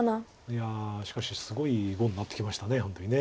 いやしかしすごい碁になってきました本当に。